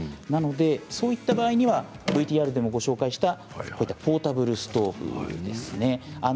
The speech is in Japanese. そういった場合にはＶＴＲでもご紹介したポータブルストーブですね。